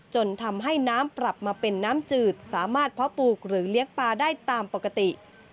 จนทำให้น้ำปรับมาเป็นน้ำจืดสามารถเพาะปลูกหรือเลี้ยงปลาได้ตามปกติ